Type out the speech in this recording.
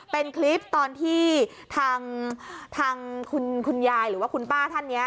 เป็นคลิปตอนที่ทางคุณยายหรือว่าคุณป้าท่านนี้